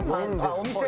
お店？